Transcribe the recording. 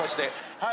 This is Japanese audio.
はい。